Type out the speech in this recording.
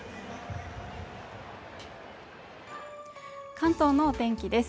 関東の天気です